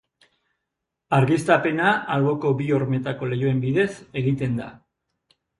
Argiztapena alboko bi hormetako leihoen bidez egiten da.